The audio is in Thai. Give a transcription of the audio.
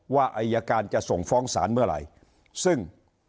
ว่าอายการจะส่งฟ้องศาลเมื่อไหร่ซึ่ง